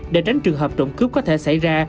để tránh trường hợp trộm cướp có thể xảy ra